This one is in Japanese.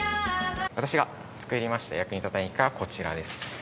私が作りました役に立たない機械はこちらです。